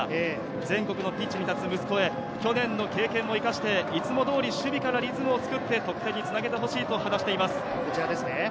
全国のピッチに立つ息子へ、去年の経験を生かして、いつも通り守備からリズムを作って得点につなげてほしいと話しています。